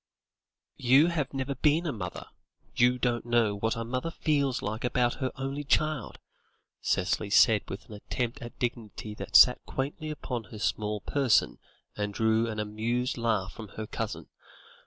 "You have never been a mother; you don't know what a mother feels like about her only child," Cicely said with an attempt at dignity that sat quaintly upon her small person and drew an amused laugh from her cousin.